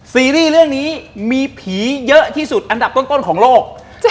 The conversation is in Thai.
ซีรีส์เรื่องนี้มีผีเยอะที่สุดอันดับต้นของโลก